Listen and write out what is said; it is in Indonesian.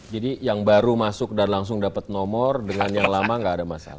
jadi yang baru masuk dan langsung dapat nomor dengan yang lama tidak ada masalah